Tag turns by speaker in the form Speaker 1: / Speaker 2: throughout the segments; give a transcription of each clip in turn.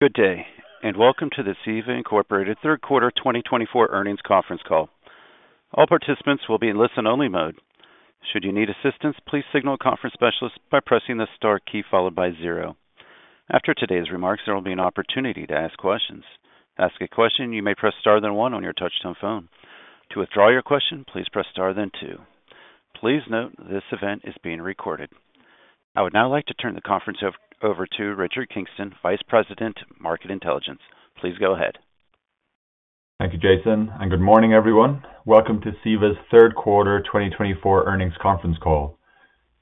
Speaker 1: Good day, and welcome to the CEVA Inc Third Quarter 2024 Earnings Conference Call. All participants will be in listen-only mode. Should you need assistance, please signal a conference specialist by pressing the star key followed by zero. After today's remarks, there will be an opportunity to ask questions. To ask a question, you may press star then one on your touch-tone phone. To withdraw your question, please press star then two. Please note this event is being recorded. I would now like to turn the conference over to Richard Kingston, Vice President, Market Intelligence. Please go ahead.
Speaker 2: Thank you, Jason, and good morning, everyone. Welcome to CEVA's Third Quarter 2024 Earnings Conference Call.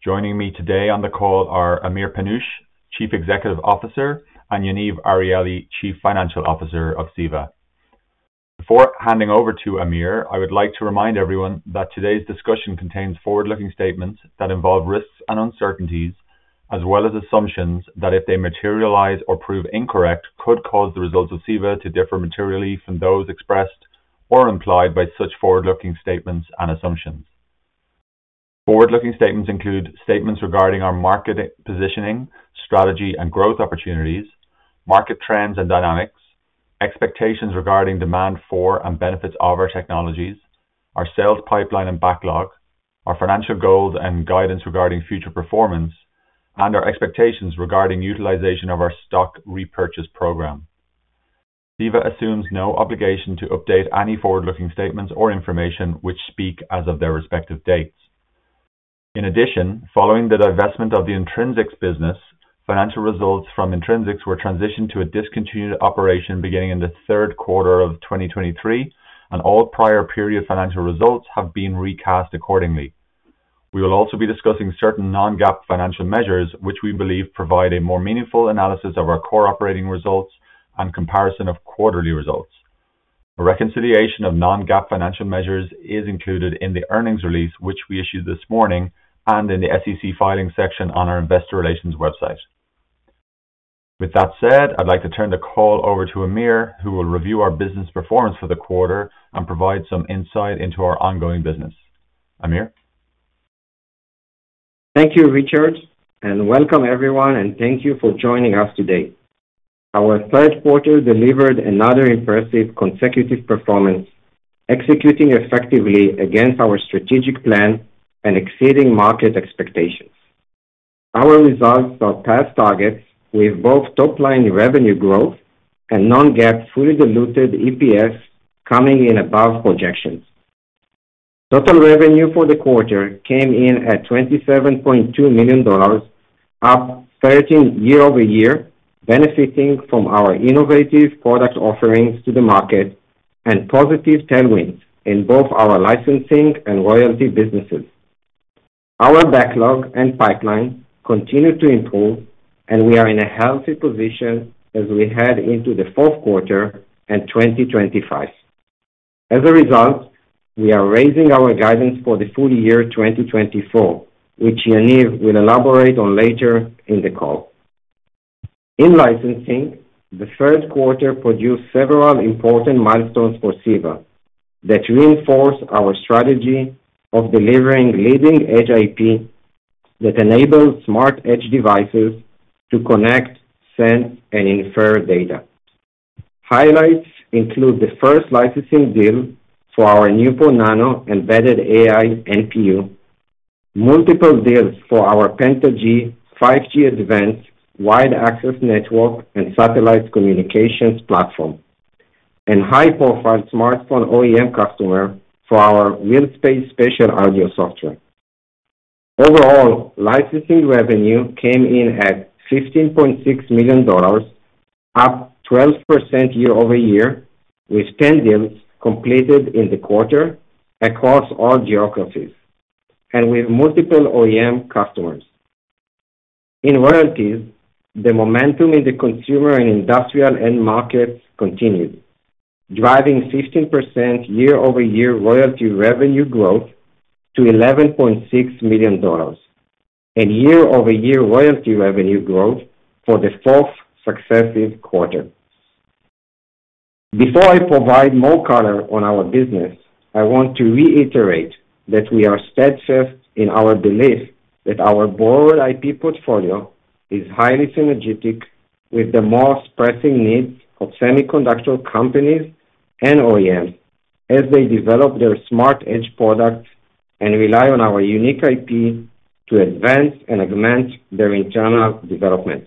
Speaker 2: Joining me today on the call are Amir Panush, Chief Executive Officer, and Yaniv Arieli, Chief Financial Officer of CEVA. Before handing over to Amir, I would like to remind everyone that today's discussion contains forward-looking statements that involve risks and uncertainties, as well as assumptions that, if they materialize or prove incorrect, could cause the results of CEVA to differ materially from those expressed or implied by such forward-looking statements and assumptions. Forward-looking statements include statements regarding our market positioning, strategy, and growth opportunities, market trends and dynamics, expectations regarding demand for and benefits of our technologies, our sales pipeline and backlog, our financial goals and guidance regarding future performance, and our expectations regarding utilization of our stock repurchase program. CEVA assumes no obligation to update any forward-looking statements or information which speak as of their respective dates. In addition, following the divestment of the Intrinsix business, financial results from Intrinsix were transitioned to a discontinued operation beginning in the third quarter of 2023, and all prior period financial results have been recast accordingly. We will also be discussing certain non-GAAP financial measures, which we believe provide a more meaningful analysis of our core operating results and comparison of quarterly results. A reconciliation of non-GAAP financial measures is included in the earnings release, which we issued this morning, and in the SEC filing section on our investor relations website. With that said, I'd like to turn the call over to Amir, who will review our business performance for the quarter and provide some insight into our ongoing business. Amir?
Speaker 3: Thank you, Richard, and welcome, everyone, and thank you for joining us today. Our third quarter delivered another impressive consecutive performance, executing effectively against our strategic plan and exceeding market expectations. Our results are past targets, with both top-line revenue growth and non-GAAP fully diluted EPS coming in above projections. Total revenue for the quarter came in at $27.2 million, up 13% year-over-year, benefiting from our innovative product offerings to the market and positive tailwinds in both our licensing and royalty businesses. Our backlog and pipeline continue to improve, and we are in a healthy position as we head into the fourth quarter and 2025. As a result, we are raising our guidance for the full year 2024, which Yaniv will elaborate on later in the call. In licensing, the third quarter produced several important milestones for CEVA that reinforce our strategy of delivering leading-edge IP that enables smart-edge devices to connect, send, and infer data. Highlights include the first licensing deal for our NeuPro-Nano embedded AI NPU, multiple deals for our PentaG 5G Advanced WAN and Satellite Communications platform, and high-profile smartphone OEM customer for our RealSpace Spatial Audio software. Overall, licensing revenue came in at $15.6 million, up 12% year-over-year, with 10 deals completed in the quarter across all geographies and with multiple OEM customers. In royalties, the momentum in the consumer and industrial end markets continued, driving 15% year-over-year royalty revenue growth to $11.6 million and year-over-year royalty revenue growth for the fourth successive quarter. Before I provide more color on our business, I want to reiterate that we are steadfast in our belief that our broad IP portfolio is highly synergetic with the most pressing needs of semiconductor companies and OEMs as they develop their smart-edge products and rely on our unique IP to advance and augment their internal development.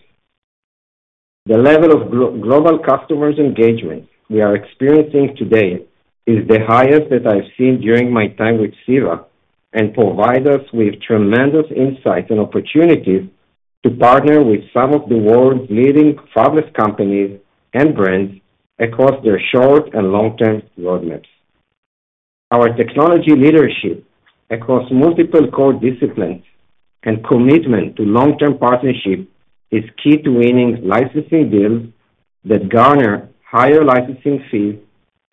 Speaker 3: The level of global customer engagement we are experiencing today is the highest that I've seen during my time with CEVA and provides us with tremendous insights and opportunities to partner with some of the world's leading fabless companies and brands across their short and long-term roadmaps. Our technology leadership across multiple core disciplines and commitment to long-term partnership is key to winning licensing deals that garner higher licensing fees,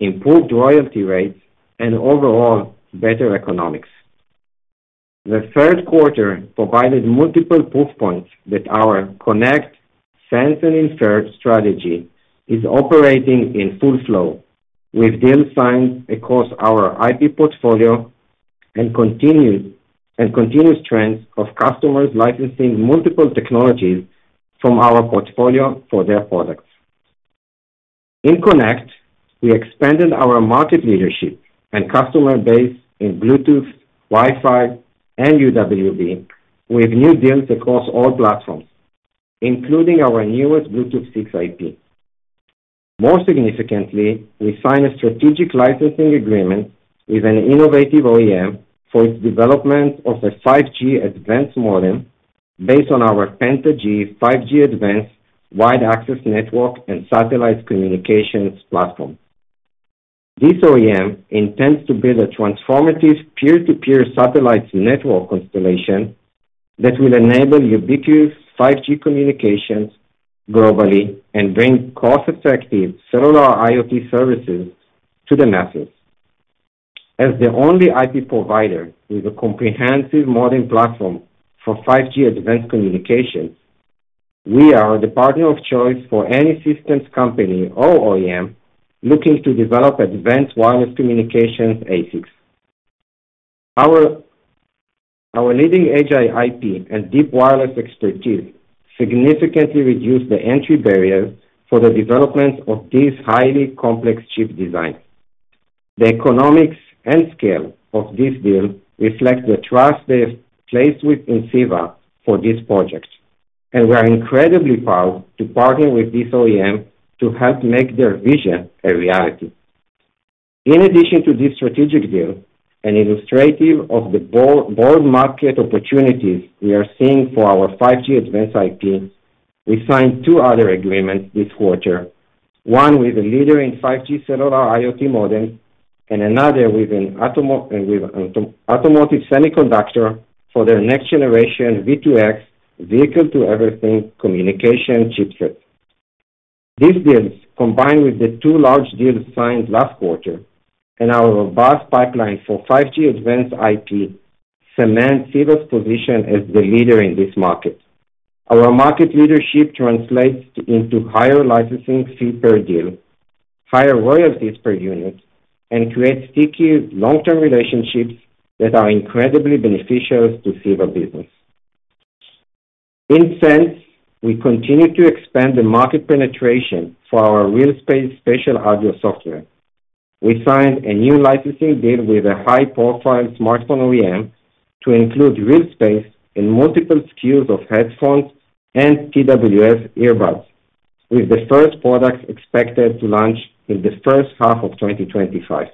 Speaker 3: improved royalty rates, and overall better economics. The third quarter provided multiple proof points that our connect, sense, and infer strategy is operating in full flow, with deals signed across our IP portfolio and continuous trends of customers licensing multiple technologies from our portfolio for their products. In connect, we expanded our market leadership and customer base in Bluetooth, Wi-Fi, and UWB with new deals across all platforms, including our newest Bluetooth 6 IP. More significantly, we signed a strategic licensing agreement with an innovative OEM for its development of a 5G Advanced modem based on our PentaG 5G Advanced Wide Area Network and Satellite Communications platform. This OEM intends to build a transformative peer-to-peer satellite network constellation that will enable ubiquitous 5G communications globally and bring cost-effective Cellular IoT services to the masses. As the only IP provider with a comprehensive modern platform for 5G Advanced communications, we are the partner of choice for any systems company or OEM looking to develop advanced wireless communications ASICs. Our leading-edge IP and deep wireless expertise significantly reduced the entry barrier for the development of these highly complex chip designs. The economics and scale of this deal reflect the trust they've placed within CEVA for this project, and we are incredibly proud to partner with this OEM to help make their vision a reality. In addition to this strategic deal, an illustrative of the broad market opportunities we are seeing for our 5G Advanced IP, we signed two other agreements this quarter, one with a leader in 5G cellular IoT modems and another with an automotive semiconductor for their next-generation V2X vehicle-to-everything communication chipset. These deals, combined with the two large deals signed last quarter and our robust pipeline for 5G Advanced IP, cement CEVA's position as the leader in this market. Our market leadership translates into higher licensing fee per deal, higher royalties per unit, and creates sticky, long-term relationships that are incredibly beneficial to CEVA's business. In essence, we continue to expand the market penetration for our RealSpace Spatial Audio software. We signed a new licensing deal with a high-profile smartphone OEM to include RealSpace in multiple SKUs of headphones and TWS earbuds, with the first products expected to launch in the first half of 2025.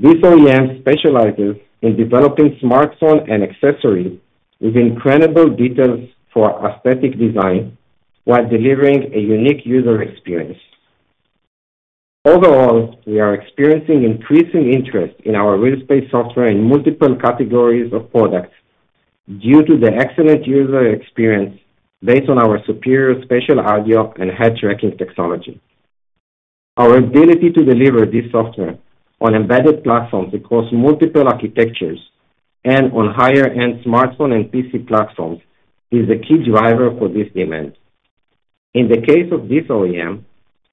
Speaker 3: This OEM specializes in developing smartphone and accessories with incredible details for aesthetic design while delivering a unique user experience. Overall, we are experiencing increasing interest in our RealSpace software in multiple categories of products due to the excellent user experience based on our superior spatial audio and head-tracking technology. Our ability to deliver this software on embedded platforms across multiple architectures and on higher-end smartphone and PC platforms is the key driver for this demand. In the case of this OEM,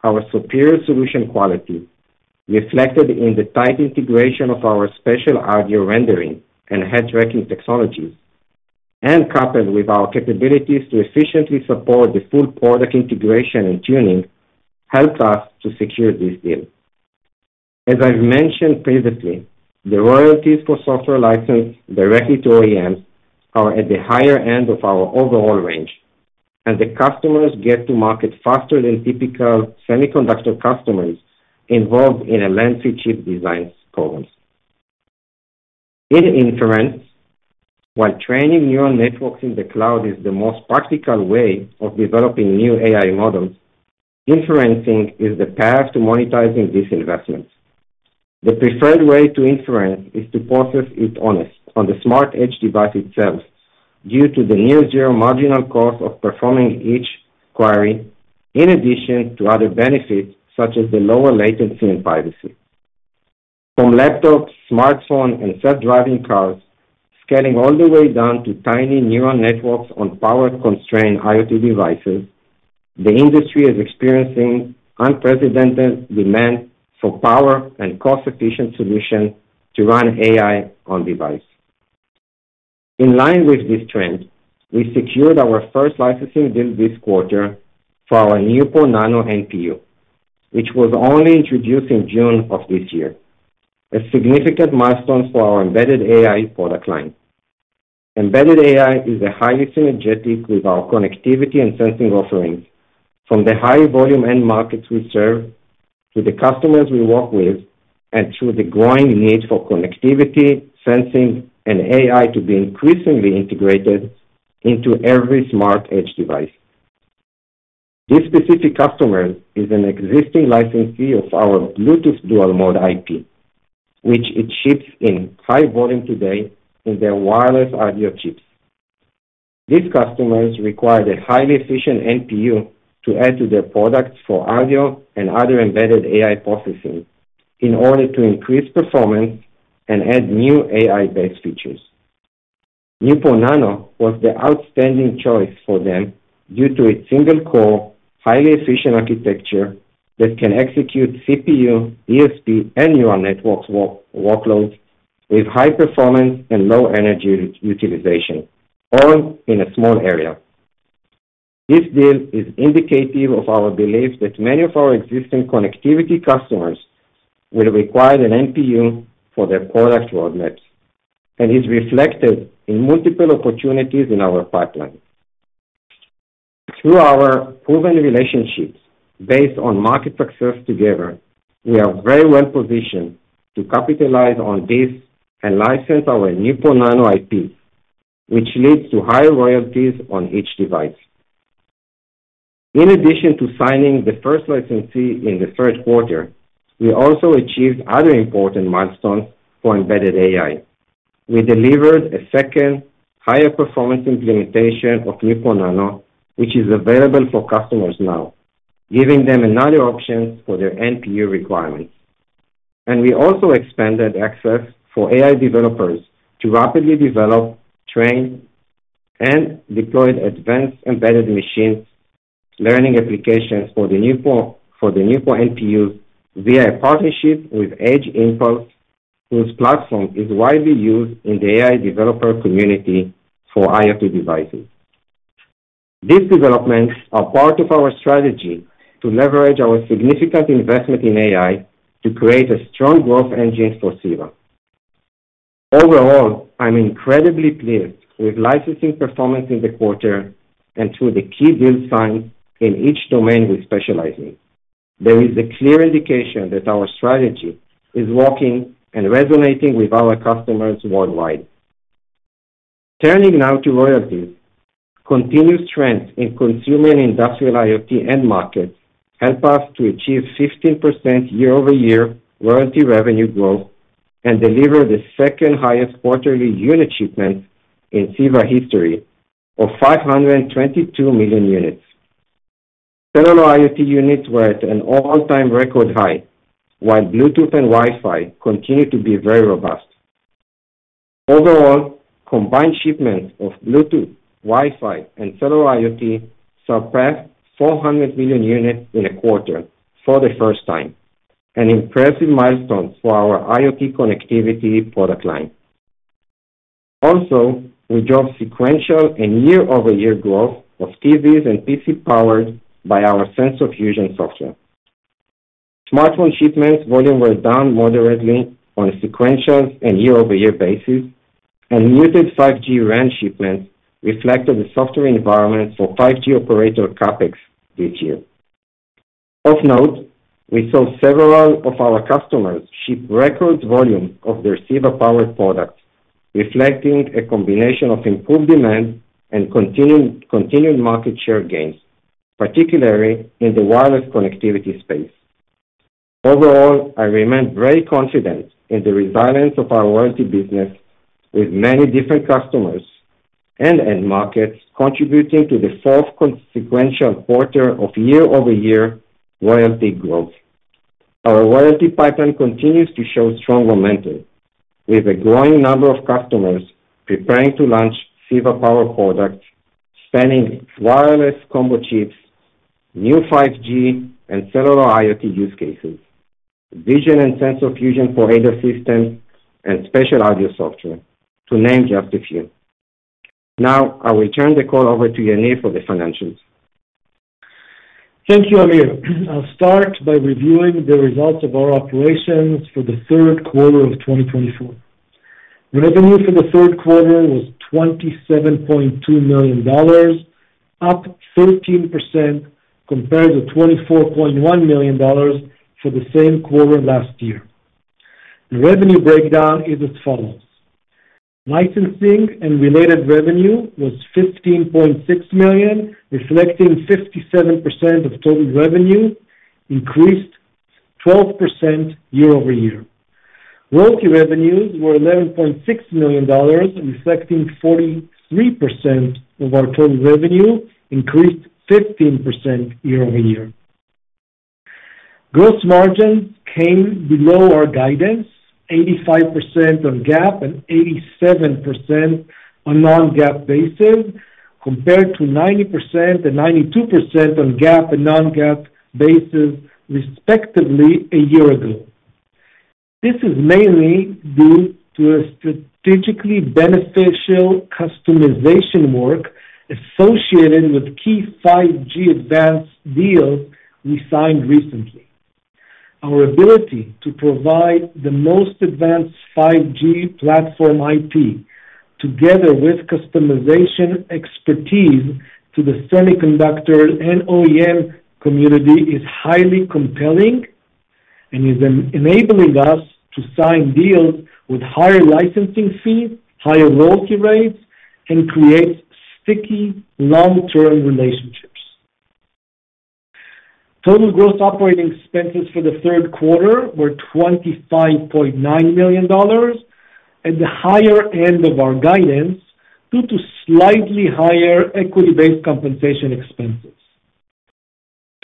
Speaker 3: our superior solution quality, reflected in the tight integration of our spatial audio rendering and head-tracking technologies, and coupled with our capabilities to efficiently support the full product integration and tuning, helped us to secure this deal. As I've mentioned previously, the royalties for software licensed directly to OEMs are at the higher end of our overall range, and the customers get to market faster than typical semiconductor customers involved in a lengthy chip design program. In inference, while training neural networks in the cloud is the most practical way of developing new AI models, inferencing is the path to monetizing this investment. The preferred way to infer is to process it on the smart-edge device itself due to the near-zero marginal cost of performing each query, in addition to other benefits such as the lower latency and privacy. From laptops, smartphones, and self-driving cars, scaling all the way down to tiny neural networks on power-constrained IoT devices, the industry is experiencing unprecedented demand for power and cost-efficient solutions to run AI on device. In line with this trend, we secured our first licensing deal this quarter for our NeuPro-Nano NPU, which was only introduced in June of this year, a significant milestone for our embedded AI product line. Embedded AI is highly synergistic with our connectivity and sensing offerings, from the high-volume end markets we serve to the customers we work with and through the growing need for connectivity, sensing, and AI to be increasingly integrated into every smart-edge device. This specific customer is an existing licensee of our Bluetooth dual-mode IP, which it ships in high volume today in their wireless audio chips. These customers required a highly efficient NPU to add to their products for audio and other embedded AI processing in order to increase performance and add new AI-based features. NeuPro-Nano was the outstanding choice for them due to its single-core, highly efficient architecture that can execute CPU, DSP, and neural network workloads with high performance and low energy utilization, all in a small area. This deal is indicative of our belief that many of our existing connectivity customers will require an NPU for their product roadmaps, and it's reflected in multiple opportunities in our pipeline. Through our proven relationships based on market success together, we are very well positioned to capitalize on this and license our NeuPro-Nano IP, which leads to higher royalties on each device. In addition to signing the first licensee in the third quarter, we also achieved other important milestones for embedded AI. We delivered a second, higher-performance implementation of NeuPro-Nano, which is available for customers now, giving them another option for their NPU requirements, and we also expanded access for AI developers to rapidly develop, train, and deploy advanced embedded machine learning applications for the NeuPro-Nano NPUs via a partnership with Edge Impulse, whose platform is widely used in the AI developer community for IoT devices. These developments are part of our strategy to leverage our significant investment in AI to create a strong growth engine for CEVA. Overall, I'm incredibly pleased with licensing performance in the quarter and through the key deals signed in each domain we specialize in. There is a clear indication that our strategy is working and resonating with our customers worldwide. Turning now to royalties, continuous trends in consumer and industrial IoT end markets help us to achieve 15% year-over-year royalty revenue growth and deliver the second-highest quarterly unit shipment in CEVA history of 522 million units. Cellular IoT units were at an all-time record high, while Bluetooth and Wi-Fi continue to be very robust. Overall, combined shipments of Bluetooth, Wi-Fi, and cellular IoT surpassed 400 million units in a quarter for the first time, an impressive milestone for our IoT connectivity product line. Also, we drove sequential and year-over-year growth of TVs and PCs powered by our Sensor Fusion software. Smartphone shipments volume were down moderately on a sequential and year-over-year basis, and muted 5G WAN shipments reflected the softer environment for 5G operator CapEx this year. Of note, we saw several of our customers ship record volume of their CEVA-powered products, reflecting a combination of improved demand and continued market share gains, particularly in the wireless connectivity space. Overall, I remain very confident in the resilience of our royalty business, with many different customers and end markets contributing to the fourth consecutive quarter of year-over-year royalty growth. Our royalty pipeline continues to show strong momentum, with a growing number of customers preparing to launch CEVA-powered products spanning wireless combo chips, new 5G and cellular IoT use cases, vision and Sensor Fusion 4.0 systems, and spatial audio software, to name just a few. Now, I will turn the call over to Yaniv for the financials.
Speaker 4: Thank you, Amir. I'll start by reviewing the results of our operations for the third quarter of 2024. Revenue for the third quarter was $27.2 million, up 13% compared to $24.1 million for the same quarter last year. The revenue breakdown is as follows. Licensing and related revenue was $15.6 million, reflecting 57% of total revenue, increased 12% year-over-year. Royalty revenues were $11.6 million, reflecting 43% of our total revenue, increased 15% year-over-year. Gross margins came below our guidance, 85% on GAAP and 87% on non-GAAP basis, compared to 90% and 92% on GAAP and non-GAAP basis, respectively, a year ago. This is mainly due to the strategically beneficial customization work associated with key 5G Advanced deals we signed recently. Our ability to provide the most advanced 5G platform IP, together with customization expertise to the semiconductor and OEM community, is highly compelling and is enabling us to sign deals with higher licensing fees, higher royalty rates, and creates sticky, long-term relationships. Total GAAP operating expenses for the third quarter were $25.9 million at the higher end of our guidance due to slightly higher equity-based compensation expenses.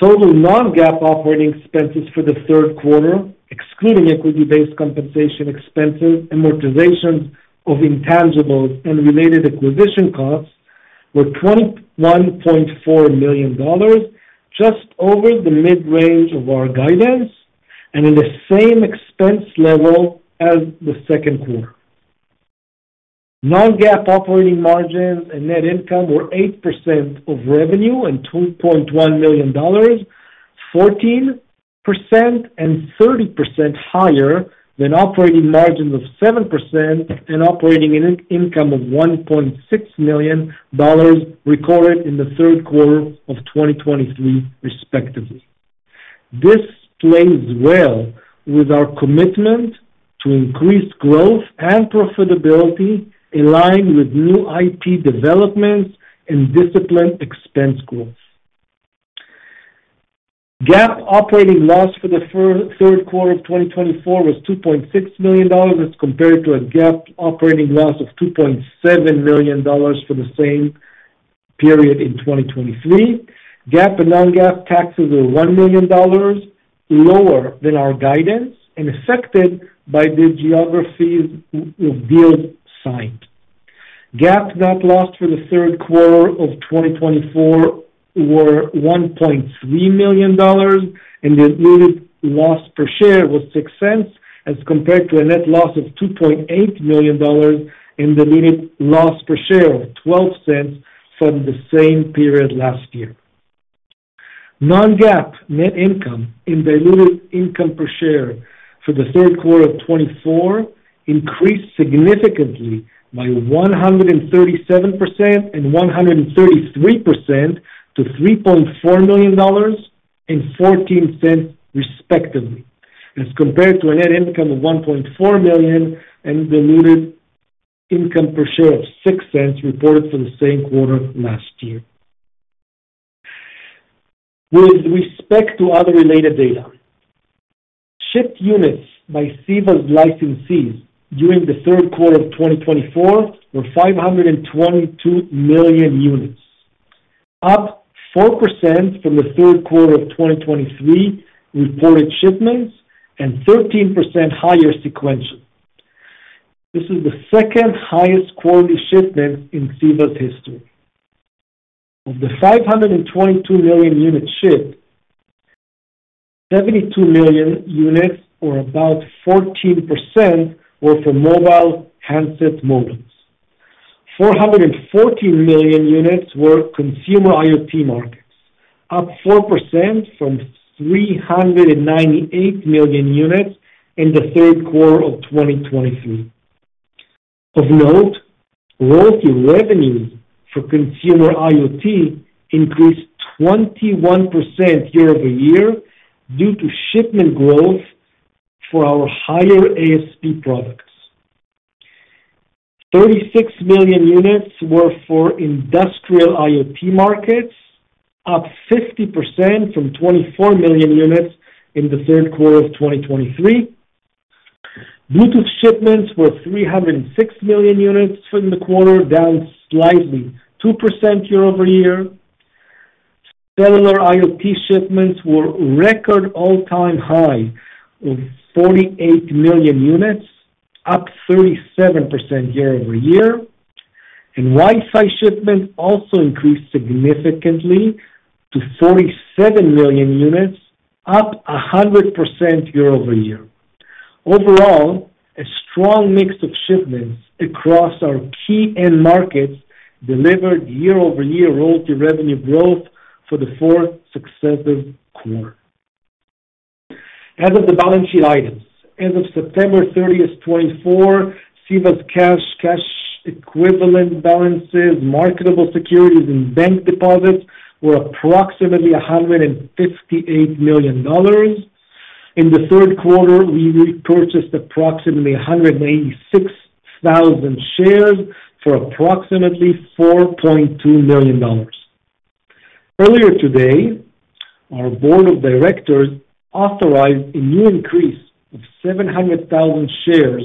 Speaker 4: Total Non-GAAP operating expenses for the third quarter, excluding equity-based compensation expenses, amortizations of intangibles and related acquisition costs, were $21.4 million, just over the mid-range of our guidance and in the same expense level as the second quarter. Non-GAAP operating margins and net income were 8% of revenue and $2.1 million, 14% and 30% higher than operating margins of 7% and operating income of $1.6 million recorded in the third quarter of 2023, respectively. This plays well with our commitment to increased growth and profitability aligned with new IP developments and disciplined expense growth. GAAP operating loss for the third quarter of 2024 was $2.6 million as compared to a GAAP operating loss of $2.7 million for the same period in 2023. GAAP and non-GAAP taxes were $1 million, lower than our guidance and affected by the geographies of deals signed. GAAP net loss for the third quarter of 2024 were $1.3 million, and the unit loss per share was $0.06 as compared to a net loss of $2.8 million and the unit loss per share of $0.12 from the same period last year. Non-GAAP net income and diluted income per share for the third quarter of 2024 increased significantly by 137% and 133% to $3.4 million and $0.14, respectively, as compared to a net income of $1.4 million and diluted income per share of $0.06 reported for the same quarter last year. With respect to other related data, shipped units by CEVA's licensees during the third quarter of 2024 were 522 million units, up 4% from the third quarter of 2023 reported shipments and 13% higher sequentially. This is the second-highest quarterly shipment in CEVA's history. Of the 522 million units shipped, 72 million units, or about 14%, were for mobile handset modems. 414 million units were consumer IoT markets, up 4% from 398 million units in the third quarter of 2023. Of note, royalty revenue for consumer IoT increased 21% year-over-year due to shipment growth for our higher ASP products. 36 million units were for industrial IoT markets, up 50% from 24 million units in the third quarter of 2023. Bluetooth shipments were 306 million units in the quarter, down slightly 2% year-over-year. Cellular IoT shipments were record all-time high of 48 million units, up 37% year-over-year. And Wi-Fi shipments also increased significantly to 47 million units, up 100% year-over-year. Overall, a strong mix of shipments across our key end markets delivered year-over-year royalty revenue growth for the fourth successive quarter. As of the balance sheet items, as of September 30, 2024, CEVA's cash equivalent balances, marketable securities, and bank deposits were approximately $158 million. In the third quarter, we repurchased approximately 186,000 shares for approximately $4.2 million. Earlier today, our board of directors authorized a new increase of 700,000 shares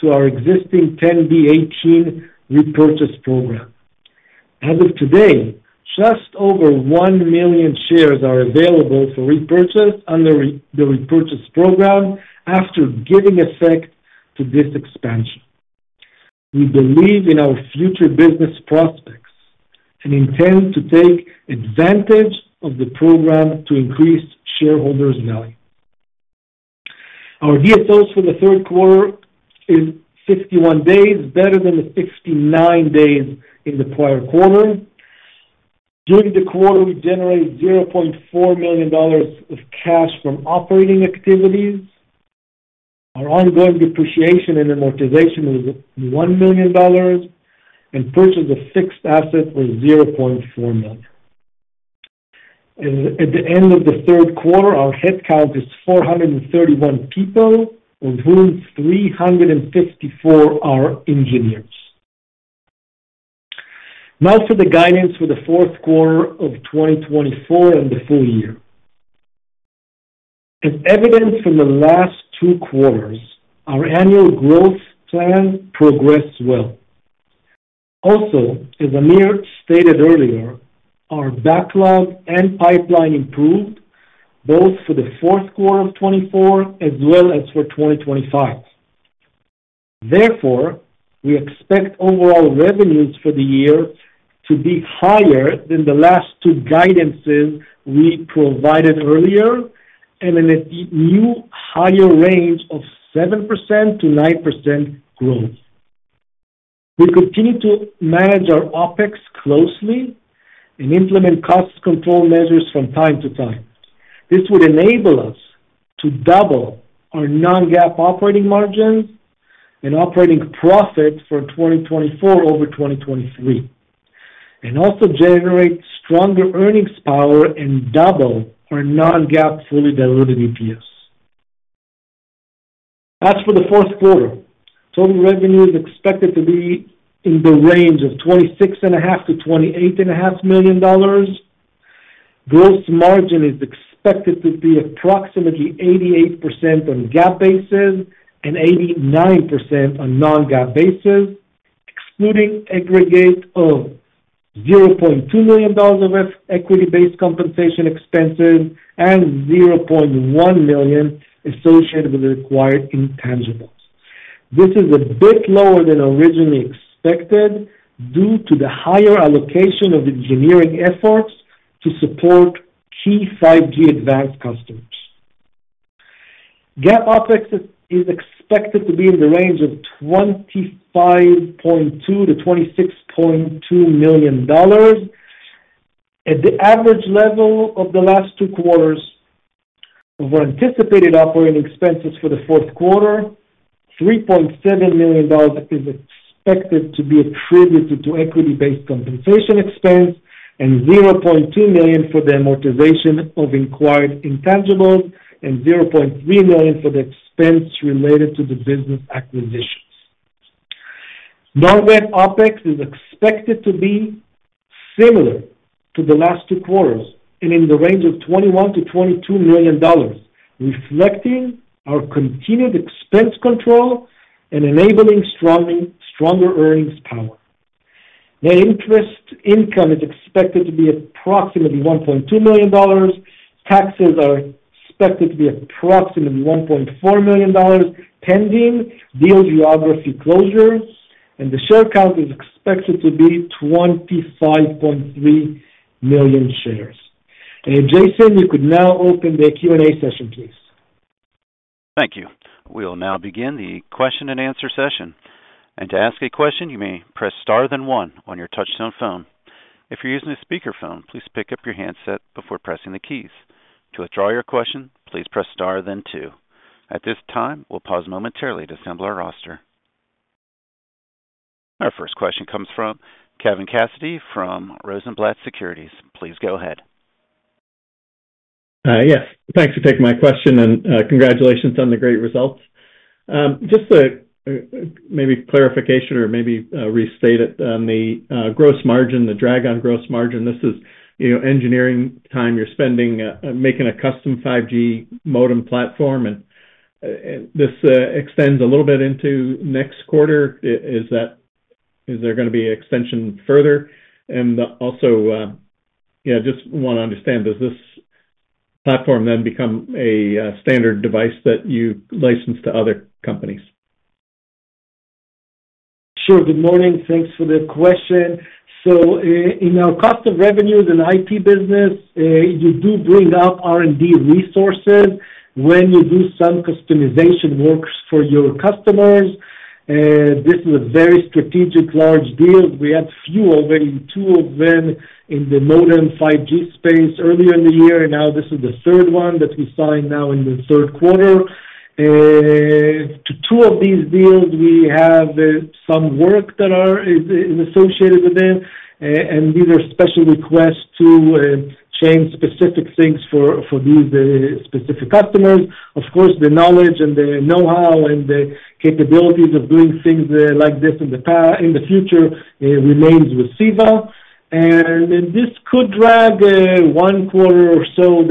Speaker 4: to our existing 10b-18 repurchase program. As of today, just over one million shares are available for repurchase under the repurchase program after giving effect to this expansion. We believe in our future business prospects and intend to take advantage of the program to increase shareholders' value. Our DSOs for the third quarter is 51 days, better than the 59 days in the prior quarter. During the quarter, we generated $0.4 million of cash from operating activities. Our ongoing depreciation and amortization was $1 million, and purchase of fixed assets was $0.4 million. At the end of the third quarter, our headcount is 431 people, of whom 354 are engineers. Now, for the guidance for the fourth quarter of 2024 and the full year. As evidenced from the last two quarters, our annual growth plan progressed well. Also, as Amir stated earlier, our backlog and pipeline improved, both for the fourth quarter of 2024 as well as for 2025. Therefore, we expect overall revenues for the year to be higher than the last two guidances we provided earlier and in a new higher range of 7%-9% growth. We continue to manage our OpEx closely and implement cost control measures from time to time. This would enable us to double our non-GAAP operating margins and operating profits for 2024 over 2023, and also generate stronger earnings power and double our non-GAAP fully diluted EPS. As for the fourth quarter, total revenue is expected to be in the range of $26.5 million-$28.5 million. Gross margin is expected to be approximately 88% on GAAP basis and 89% on non-GAAP basis, excluding aggregate of $0.2 million of equity-based compensation expenses and $0.1 million associated with the acquired intangibles. This is a bit lower than originally expected due to the higher allocation of engineering efforts to support key 5G Advanced customers. GAAP OpEx is expected to be in the range of $25.2 million-$26.2 million at the average level of the last two quarters. Of our anticipated operating expenses for the fourth quarter, $3.7 million is expected to be attributed to equity-based compensation expense and $0.2 million for the amortization of acquired intangibles and $0.3 million for the expense related to the business acquisitions. Non-GAAP OpEx is expected to be similar to the last two quarters and in the range of $21 million-$22 million, reflecting our continued expense control and enabling stronger earnings power. Net interest income is expected to be approximately $1.2 million. Taxes are expected to be approximately $1.4 million pending deal geography closure, and the share count is expected to be 25.3 million shares. Jason, you could now open the Q&A session, please.
Speaker 1: Thank you. We'll now begin the question and answer session. To ask a question, you may press star then one on your touch-tone phone. If you're using a speakerphone, please pick up your handset before pressing the keys. To withdraw your question, please press star then two. At this time, we'll pause momentarily to assemble our roster. Our first question comes from Kevin Cassidy from Rosenblatt Securities. Please go ahead.
Speaker 5: Yes. Thanks for taking my question, and congratulations on the great results. Just a maybe clarification or maybe restate it on the gross margin, the drag on gross margin. This is engineering time you're spending making a custom 5G modem platform, and this extends a little bit into next quarter. Is there going to be an extension further? And also, yeah, just want to understand, does this platform then become a standard device that you license to other companies?
Speaker 4: Sure. Good morning. Thanks for the question. So in our cost of revenues and IP business, you do bring up R&D resources when you do some customization work for your customers. This is a very strategic, large deal. We had a few already, two of them in the modem 5G space earlier in the year, and now this is the third one that we signed now in the third quarter. To two of these deals, we have some work that is associated with it, and these are special requests to change specific things for these specific customers. Of course, the knowledge and the know-how and the capabilities of doing things like this in the future remains with CEVA. This could drag one quarter or so,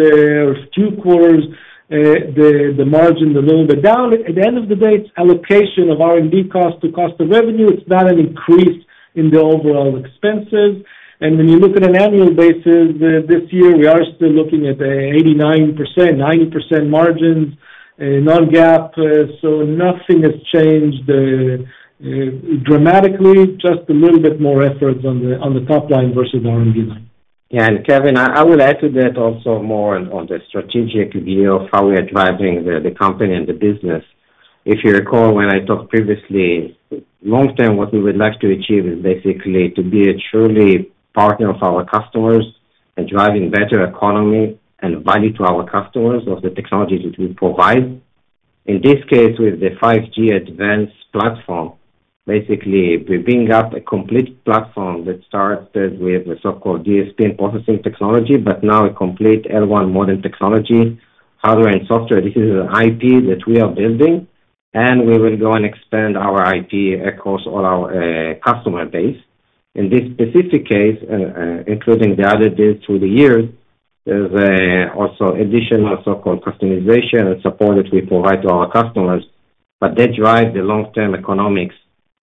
Speaker 4: two quarters, the margin a little bit down. At the end of the day, it's allocation of R&D cost to cost of revenue. It's not an increase in the overall expenses. When you look at an annual basis, this year, we are still looking at 89%-90% margins, non-GAAP. So nothing has changed dramatically, just a little bit more efforts on the top line versus R&D line.
Speaker 3: Yeah. Kevin, I would add to that also more on the strategic view of how we are driving the company and the business. If you recall when I talked previously, long-term, what we would like to achieve is basically to be a true partner of our customers and drive a better economy and value to our customers of the technology that we provide. In this case, with the 5G advanced platform, basically, we bring up a complete platform that starts with the so-called DSP and processing technology, but now a complete L1 modem technology, hardware and software. This is an IP that we are building, and we will go and expand our IP across all our customer base. In this specific case, including the other deals through the years, there's also additional so-called customization and support that we provide to our customers, but they drive the long-term economics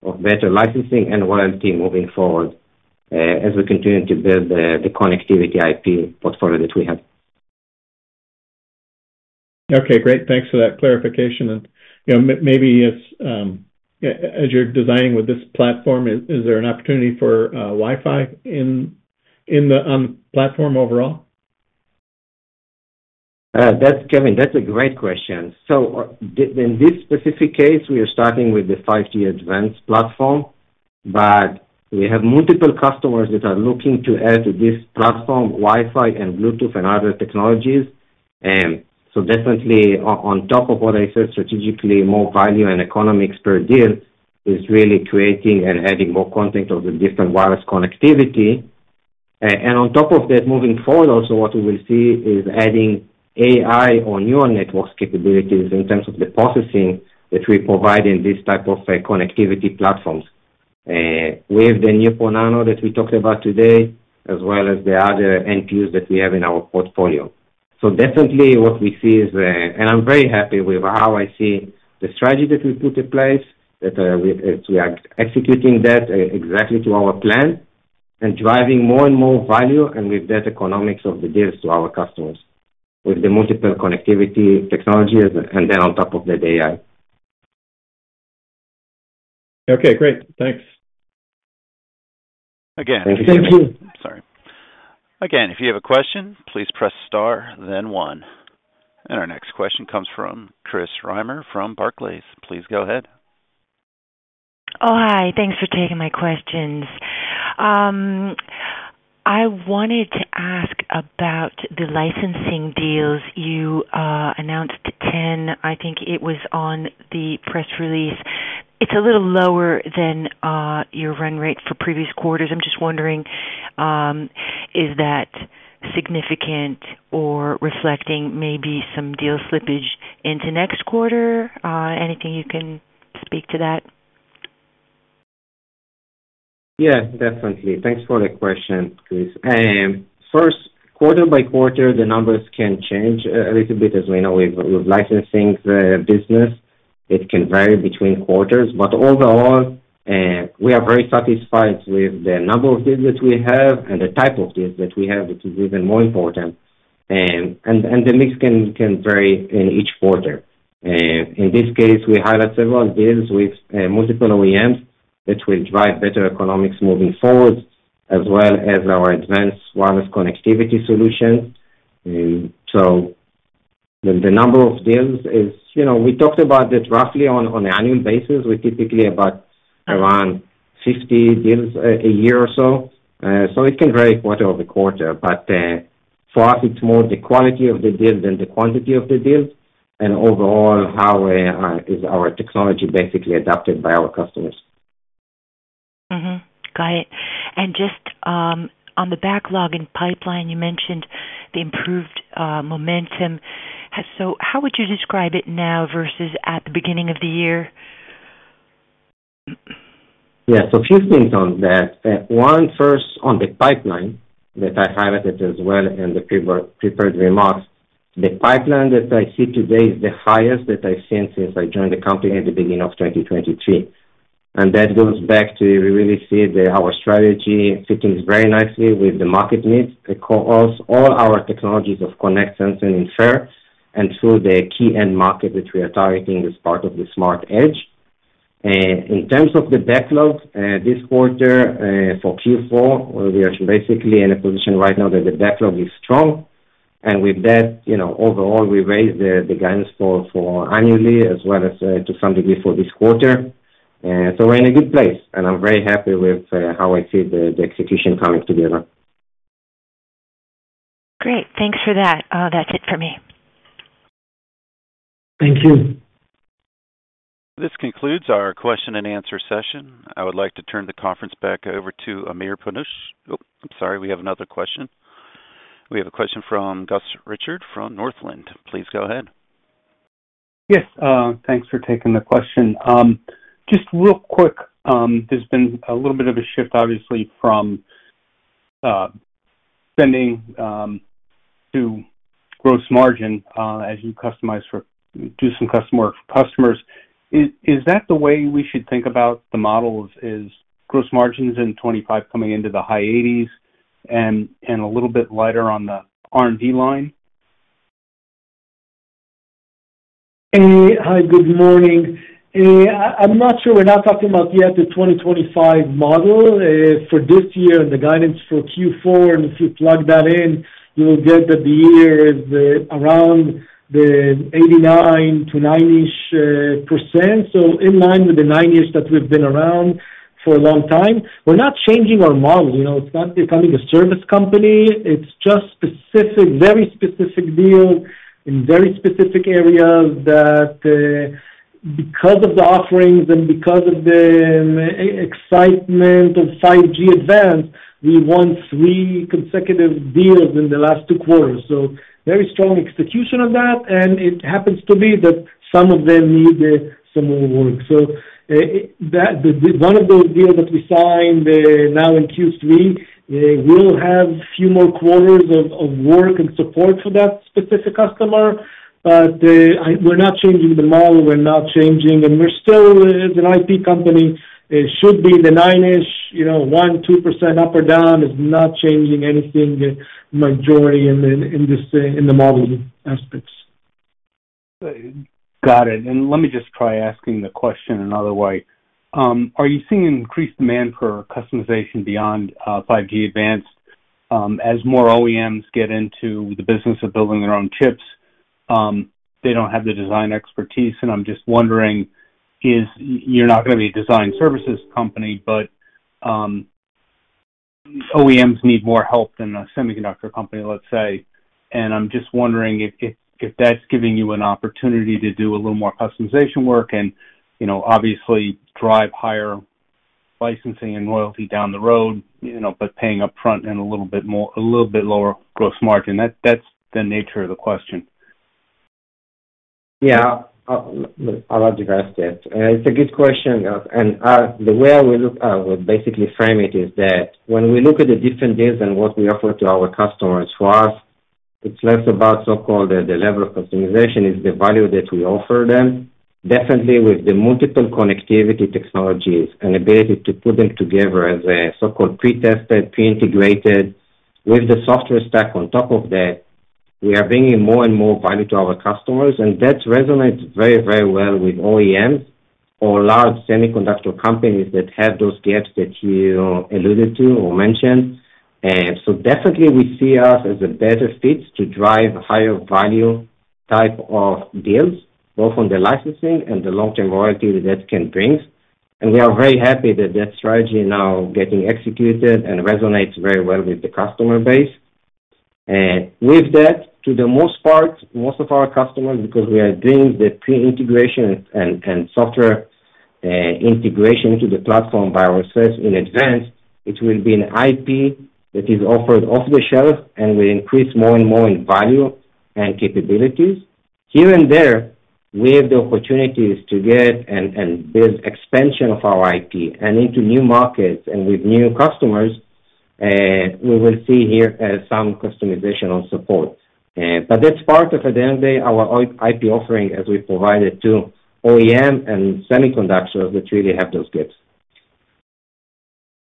Speaker 3: of better licensing and warranty moving forward as we continue to build the connectivity IP portfolio that we have.
Speaker 5: Okay. Great. Thanks for that clarification. And maybe as you're designing with this platform, is there an opportunity for Wi-Fi on the platform overall?
Speaker 3: Kevin, that's a great question. So in this specific case, we are starting with the 5G Advanced platform, but we have multiple customers that are looking to add to this platform Wi-Fi and Bluetooth and other technologies. So definitely, on top of what I said, strategically, more value and economics per deal is really creating and adding more content of the different wireless connectivity. And on top of that, moving forward, also what we will see is adding AI or neural networks capabilities in terms of the processing that we provide in this type of connectivity platforms with the new NeuPro-Nano that we talked about today, as well as the other NPUs that we have in our portfolio. So definitely, what we see is, and I'm very happy with how I see the strategy that we put in place, that we are executing that exactly to our plan and driving more and more value and with that economics of the deals to our customers with the multiple connectivity technologies and then on top of that AI.
Speaker 5: Okay. Great. Thanks. Again.
Speaker 3: Thank you.
Speaker 1: Thank you. Sorry. Again, if you have a question, please press star, then one. And our next question comes from Chris Reimer from Barclays. Please go ahead.
Speaker 6: Oh, hi. Thanks for taking my questions. I wanted to ask about the licensing deals you announced to 10. I think it was on the press release. It's a little lower than your run rate for previous quarters. I'm just wondering, is that significant or reflecting maybe some deal slippage into next quarter? Anything you can speak to that?
Speaker 3: Yeah. Definitely. Thanks for the question, Chris. First, quarter by quarter, the numbers can change a little bit as we know with licensing business. It can vary between quarters, but overall, we are very satisfied with the number of deals that we have and the type of deals that we have, which is even more important, and the mix can vary in each quarter. In this case, we highlight several deals with multiple OEMs that will drive better economics moving forward, as well as our advanced wireless connectivity solutions, so the number of deals is, we talked about that, roughly on an annual basis. We're typically about around 50 deals a year or so, so it can vary quarter over quarter, but for us, it's more the quality of the deal than the quantity of the deal and overall how is our technology basically adapted by our customers.
Speaker 6: Got it. And just on the backlog and pipeline, you mentioned the improved momentum. So how would you describe it now versus at the beginning of the year?
Speaker 3: Yeah. So a few things on that. One, first, on the pipeline that I highlighted as well in the prepared remarks. The pipeline that I see today is the highest that I've seen since I joined the company at the beginning of 2023. And that goes back to we really see that our strategy fits very nicely with the market needs across all our technologies of connect, sense, and infer, and through the key end market that we are targeting as part of the smart edge. In terms of the backlog, this quarter for Q4, we are basically in a position right now that the backlog is strong. With that, overall, we raised the guidance for annually as well as to some degree for this quarter. We're in a good place, and I'm very happy with how I see the execution coming together.
Speaker 6: Great. Thanks for that. That's it for me.
Speaker 3: Thank you.
Speaker 1: This concludes our question and answer session. I would like to turn the conference back over to Amir Panush. Oh, I'm sorry. We have another question. We have a question from Gus Richard from Northland. Please go ahead.
Speaker 7: Yes. Thanks for taking the question. Just real quick, there's been a little bit of a shift, obviously, from spending to gross margin as you customize or do some custom work for customers. Is that the way we should think about the models, is gross margins in 2025 coming into the high 80s and a little bit lighter on the R&D line?
Speaker 3: Hi. Good morning. I'm not sure we're not talking about yet the 2025 model. For this year, the guidance for Q4, and if you plug that in, you will get that the year is around the 89%-90%-ish. So in line with the 90%-ish that we've been around for a long time. We're not changing our model. It's not becoming a service company. It's just very specific deals in very specific areas that because of the offerings and because of the excitement of 5G Advanced, we won three consecutive deals in the last two quarters. So very strong execution on that. And it happens to be that some of them need some more work. So one of those deals that we signed now in Q3 will have a few more quarters of work and support for that specific customer. But we're not changing the model. We're not changing. And we're still, as an IP company, should be in the 91-92% up or down. It's not changing anything materially in the modeling aspects.
Speaker 7: Got it. And let me just try asking the question another way. Are you seeing increased demand for customization beyond 5G Advanced as more OEMs get into the business of building their own chips? They don't have the design expertise. And I'm just wondering, you're not going to be a design services company, but OEMs need more help than a semiconductor company, let's say. And I'm just wondering if that's giving you an opportunity to do a little more customization work and obviously drive higher licensing and loyalty down the road, but paying upfront and a little bit lower gross margin. That's the nature of the question.
Speaker 4: Yeah. I'll address that. It's a good question. The way I will basically frame it is that when we look at the different deals and what we offer to our customers, for us, it's less about so-called the level of customization is the value that we offer them. Definitely, with the multiple connectivity technologies and ability to put them together as a so-called pre-tested, pre-integrated with the software stack on top of that, we are bringing more and more value to our customers. That resonates very, very well with OEMs or large semiconductor companies that have those gaps that you alluded to or mentioned. Definitely, we see us as a better fit to drive higher value type of deals, both on the licensing and the long-term loyalty that that can bring. We are very happy that that strategy is now getting executed and resonates very well with the customer base. With that, for the most part, most of our customers, because we are doing the pre-integration and software integration into the platform by ourselves in advance, it will be an IP that is offered off the shelf, and we increase more and more in value and capabilities. Here and there, we have the opportunities to get and build expansion of our IP and into new markets, and with new customers, we will see here some customization and support. But that's part of, at the end of the day, our IP offering as we provide it to OEM and semiconductors that really have those gaps.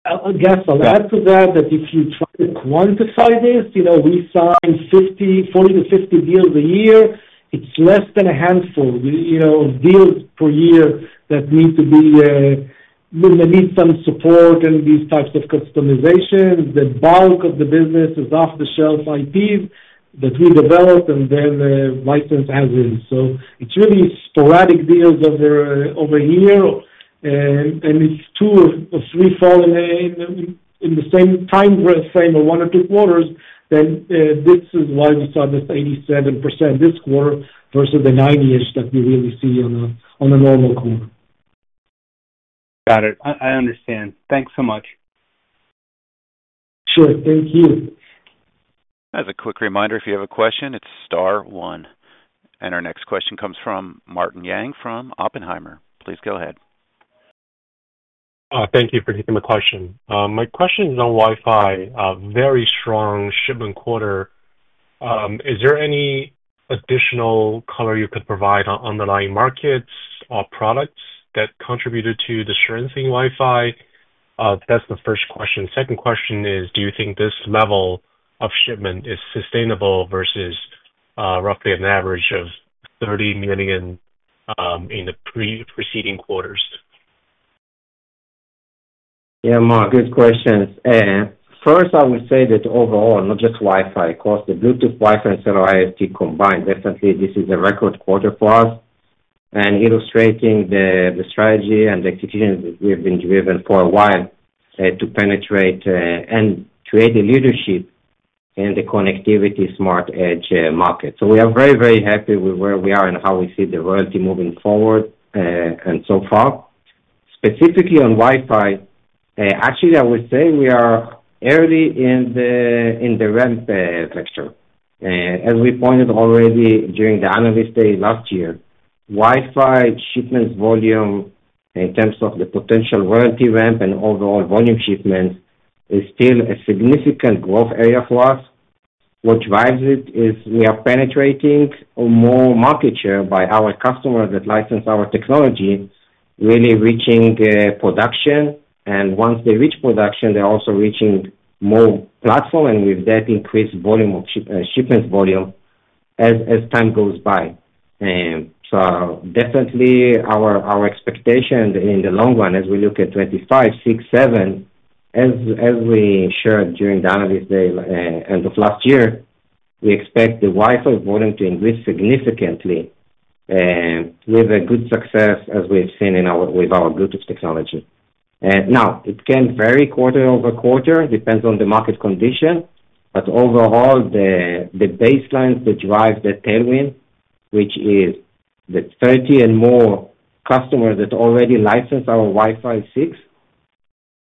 Speaker 3: I guess I'll add to that, if you try to quantify this, we sign 40-50 deals a year. It's less than a handful of deals per year that need some support and these types of customizations. The bulk of the business is off-the-shelf IPs that we develop and then license as is. So it's really sporadic deals over a year. And if two or three fall in the same time frame of one or two quarters, then this is why we saw this 87% this quarter versus the 90-ish that we really see on a normal quarter.
Speaker 7: Got it. I understand. Thanks so much.
Speaker 3: Sure. Thank you.
Speaker 1: As a quick reminder, if you have a question, it's star one. And our next question comes from Martin Yang from Oppenheimer. Please go ahead.
Speaker 8: Thank you for taking the question. My question is on Wi-Fi. Very strong shipment quarter. Is there any additional color you could provide on underlying markets or products that contributed to the strength in Wi-Fi? That's the first question. Second question is, do you think this level of shipment is sustainable versus roughly an average of 30 million in the preceding quarters?
Speaker 3: Yeah, Mark, good question. First, I would say that overall, not just Wi-Fi, of course, the Bluetooth, Wi-Fi, and Cellular IoT combined, definitely, this is a record quarter for us and illustrating the strategy and the execution that we've been driven for a while to penetrate and create a leadership in the connectivity smart edge market. So we are very, very happy with where we are and how we see the royalty moving forward and so far. Specifically on Wi-Fi, actually, I would say we are early in the ramp vector. As we pointed already during the analyst day last year, Wi-Fi shipments volume in terms of the potential royalty ramp and overall volume shipments is still a significant growth area for us. What drives it is we are penetrating more market share by our customers that license our technology, really reaching production. And once they reach production, they're also reaching more platform, and with that, increased volume of shipments volume as time goes by. So definitely, our expectation in the long run, as we look at 2025, 2026, 2027, as we shared during the analyst day end of last year, we expect the Wi-Fi volume to increase significantly with good success as we've seen with our Bluetooth technology. Now, it can vary quarter over quarter, depends on the market condition. But overall, the baseline to drive the tailwind, which is the 30 and more customers that already license our Wi-Fi 6,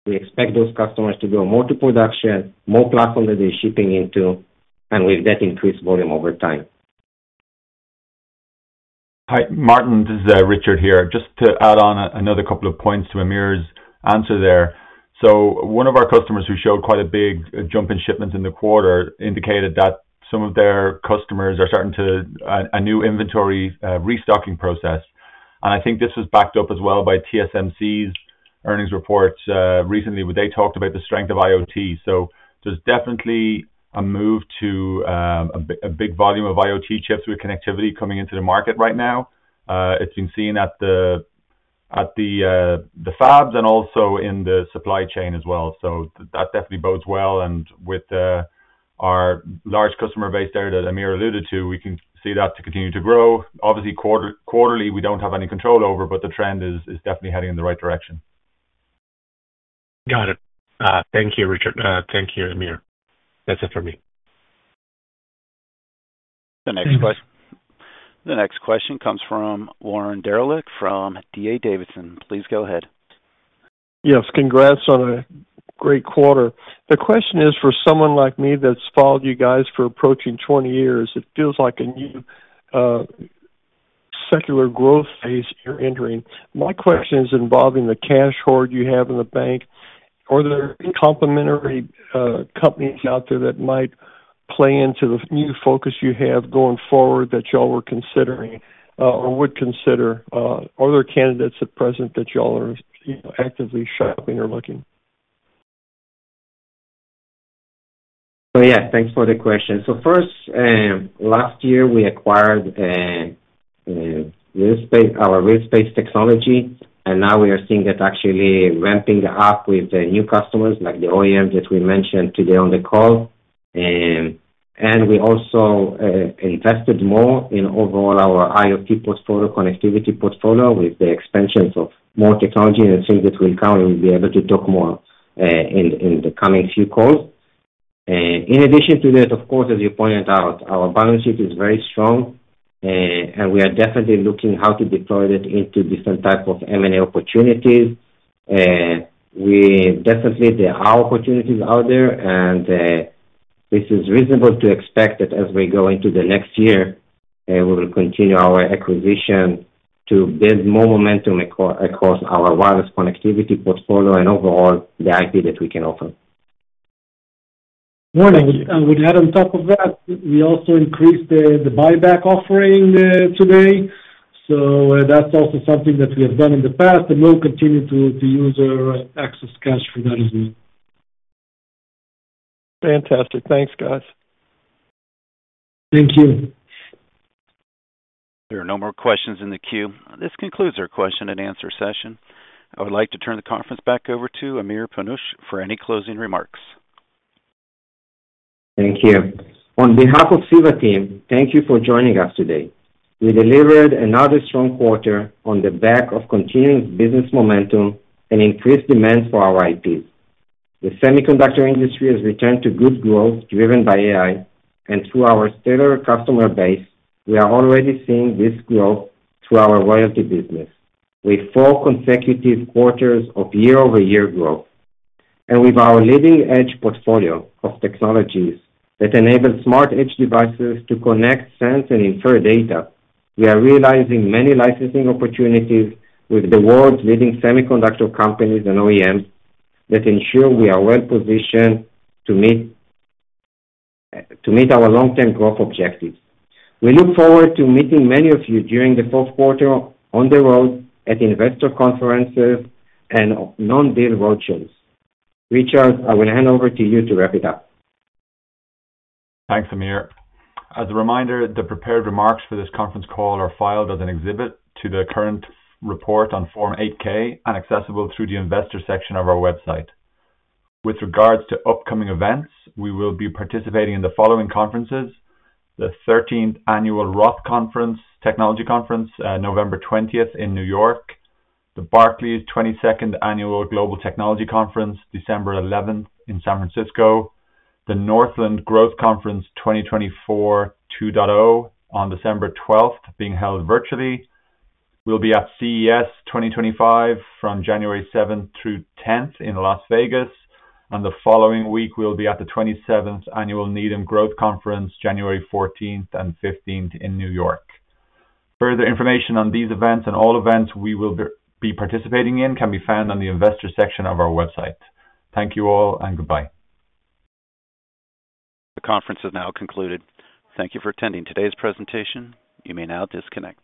Speaker 3: we expect those customers to go more to production, more platform that they're shipping into, and with that, increase volume over time.
Speaker 2: Hi, Martin, this is Richard here. Just to add on another couple of points to Amir's answer there. So one of our customers who showed quite a big jump in shipments in the quarter indicated that some of their customers are starting on a new inventory restocking process. And I think this was backed up as well by TSMC's earnings report recently where they talked about the strength of IoT. So there's definitely a move to a big volume of IoT chips with connectivity coming into the market right now. It's been seen at the fabs and also in the supply chain as well. So that definitely bodes well. And with our large customer base there that Amir alluded to, we can see that continue to grow. Obviously, quarterly, we don't have any control over, but the trend is definitely heading in the right direction.
Speaker 8: Got it. Thank you, Richard. Thank you, Amir. That's it for me.
Speaker 1: The next question comes from Warren Darilek from D.A. Davidson. Please go ahead.
Speaker 9: Yes. Congrats on a great quarter. The question is for someone like me that's followed you guys for approaching 20 years. It feels like a new secular growth phase you're entering. My question is involving the cash hoard you have in the bank. Are there complementary companies out there that might play into the new focus you have going forward that y'all were considering or would consider? Are there candidates at present that y'all are actively shopping or looking?
Speaker 3: So yeah, thanks for the question. So first, last year, we acquired our RealSpace technology, and now we are seeing it actually ramping up with new customers like the OEMs that we mentioned today on the call. And we also invested more in overall our IoT portfolio, connectivity portfolio with the expansions of more technology and things that will come. We'll be able to talk more in the coming few calls. In addition to that, of course, as you pointed out, our balance sheet is very strong, and we are definitely looking at how to deploy that into different types of M&A opportunities. Definitely, there are opportunities out there, and this is reasonable to expect that as we go into the next year, we will continue our acquisition to build more momentum across our wireless connectivity portfolio and overall the IP that we can offer.
Speaker 4: Morning. And we add on top of that, we also increased the buyback offering today. So that's also something that we have done in the past, and we'll continue to use our excess cash for that as well.
Speaker 9: Fantastic. Thanks, guys.
Speaker 4: Thank you.
Speaker 1: There are no more questions in the queue. This concludes our question and answer session. I would like to turn the conference back over to Amir Panush for any closing remarks.
Speaker 3: Thank you. On behalf of CEVA Team, thank you for joining us today. We delivered another strong quarter on the back of continuous business momentum and increased demand for our IPs. The semiconductor industry has returned to good growth driven by AI, and through our stellar customer base, we are already seeing this growth through our royalty business with four consecutive quarters of year-over-year growth. And with our leading-edge portfolio of technologies that enable smart edge devices to connect, send, and infer data, we are realizing many licensing opportunities with the world's leading semiconductor companies and OEMs that ensure we are well-positioned to meet our long-term growth objectives. We look forward to meeting many of you during the fourth quarter on the road at investor conferences and non-deal road shows. Richard, I will hand over to you to wrap it up.
Speaker 2: Thanks, Amir. As a reminder, the prepared remarks for this conference call are filed as an exhibit to the current report on Form 8-K and accessible through the investor section of our website. With regards to upcoming events, we will be participating in the following conferences: the 13th Annual Roth Technology Conference, November 20th in New York. The Barclays 22nd Annual Global Technology Conference, December 11th in San Francisco. The Northland Growth Conference 2024 2.0 on December 12th, being held virtually. We'll be at CES 2025 from January 7th through 10th in Las Vegas, and the following week, we'll be at the 27th Annual Needham Growth Conference, January 14th and 15th in New York. Further information on these events and all events we will be participating in can be found on the investor section of our website. Thank you all, and goodbye.
Speaker 1: The conference has now concluded. Thank you for attending today's presentation. You may now disconnect.